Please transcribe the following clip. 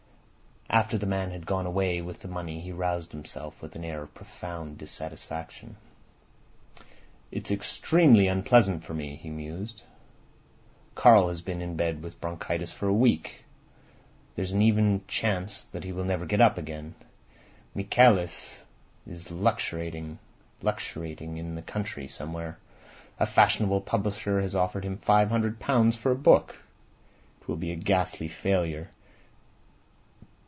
After the man had gone away with the money he roused himself, with an air of profound dissatisfaction. "It's extremely unpleasant for me," he mused. "Karl has been in bed with bronchitis for a week. There's an even chance that he will never get up again. Michaelis's luxuriating in the country somewhere. A fashionable publisher has offered him five hundred pounds for a book. It will be a ghastly failure.